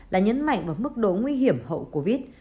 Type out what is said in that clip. là nhấn mạnh vào mức độ nguy hiểm hậu covid